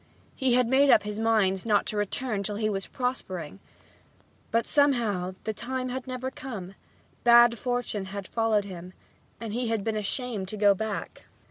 He had made up his mind not to return till he was prospering. But somehow this time had never come; bad fortune had followed him and he had been ashamed to go back.